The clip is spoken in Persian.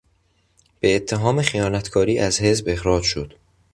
به اتهام خیانتکاری از حزب اخراج شد.